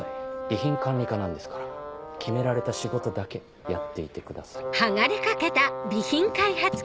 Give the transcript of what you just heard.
備品管理課なんですから決められた仕事だけやっていてください。